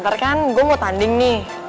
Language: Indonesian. ntar kan gue mau tanding nih